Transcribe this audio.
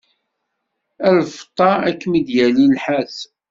A lfeṭṭa, ad kem-id-yali nnḥas.